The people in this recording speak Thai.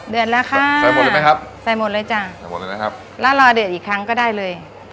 เดือดแล้วค่ะใส่หมดเลยไหมครับใส่หมดเลยจ้ะแล้วรอเดือดอีกครั้งก็ได้เลยครับ